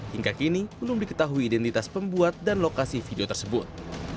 hingga kini belum diketahui identitas pembuat dan lokasi video tersebut